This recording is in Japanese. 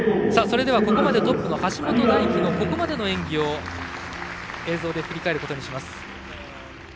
ここまでトップの橋本大輝のここまでの演技を映像で振り返ります。